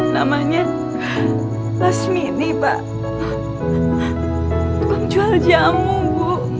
namanya mas mini pak tukang jual jamu bu